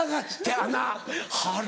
「あれ？